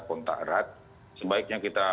kontak erat sebaiknya kita